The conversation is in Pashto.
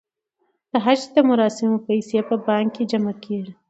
د حج د مراسمو پیسې په بانک کې جمع کیږي.